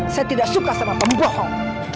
saya tidak suka sama pembohong